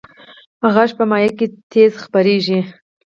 غږ په مایع کې تیز خپرېږي.